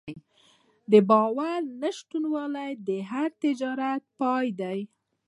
د باور نشتوالی د هر تجارت پای ده.